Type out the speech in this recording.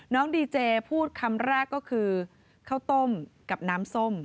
น้องดีเจพูดคำแรกก็คือข้าวต้มกับน้ำส้ม